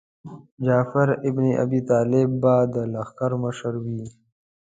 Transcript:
جعفر ابن ابي طالب به د لښکر مشر وي.